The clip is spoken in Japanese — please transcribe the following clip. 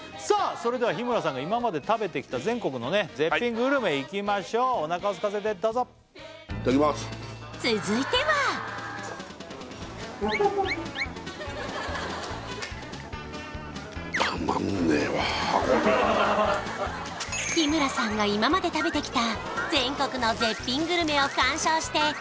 それでは日村さんが今まで食べてきた全国のね絶品グルメいきましょうおなかをすかせてどうぞいただきます続いてはこれ日村さんが今まで食べてきた